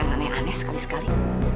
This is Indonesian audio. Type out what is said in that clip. anak anak yang aneh sekali sekali